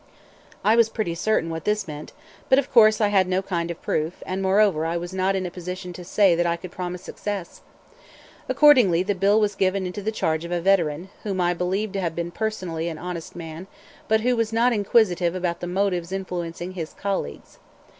I was pretty certain what this meant, but of course I had no kind of proof, and moreover I was not in a position to say that I could promise success. Accordingly, the bill was given into the charge of a veteran, whom I believe to have been a personally honest man, but who was not inquisitive about the motives influencing his colleagues.